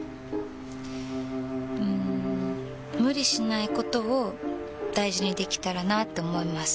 うん無理しないことを大事にできたらなって思います。